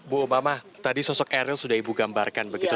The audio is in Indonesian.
bu obama tadi sosok eril sudah ibu gambarkan begitu